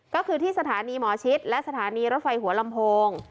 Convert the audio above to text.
ก็คือที่สถานีหมอชิดและสถานีรถไฟหัวลำโพง